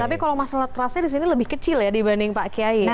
tapi kalau masalah trust nya disini lebih kecil ya dibanding pak kiai ya